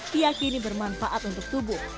diakini bermanfaat untuk tubuh